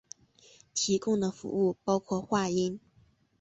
提供的服务包括话音。